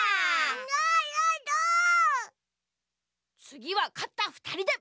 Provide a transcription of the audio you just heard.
つぎはかったふたりで。